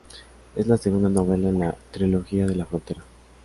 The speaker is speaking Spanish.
Es la segunda novela en la Trilogía de la frontera.